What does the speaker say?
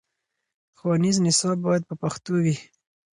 ښوونیز نصاب باید په پښتو وي.